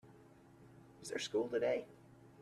Is there school today?